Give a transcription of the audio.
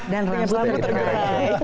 dan rambut aku tergulai